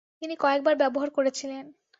তিনি কয়েকবার ব্যবহার করেছিলেন।